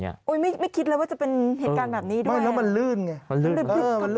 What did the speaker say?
นี้ไม่คิดเลยว่าจะเป็นเหตุการณ์แบบนี้มันลื่นเข้าไปได้